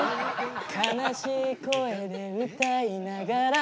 「悲しい声で歌いながら」